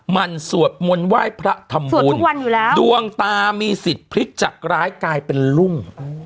มันสวดมนต์ไหว้พระธรรมบุญดวงตามีสิทธิ์พฤษจากร้ายกลายเป็นรุ่ง